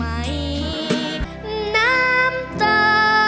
น้ำตา